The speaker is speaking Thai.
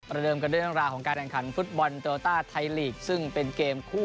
ประเดิมกันด้วยเรื่องราวของการแข่งขันฟุตบอลเตอร์โตวาตตอแยร์ลีกซึ่งเป็นเกมขุวคู่